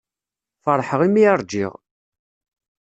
Feṛḥeɣ imi i ṛjiɣ.